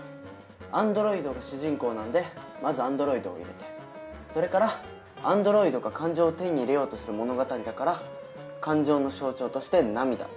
アンドロイドが主人公なのでまず「アンドロイド」を入れてそれからアンドロイドが感情を手に入れようとする物語だから感情の象徴として「涙」。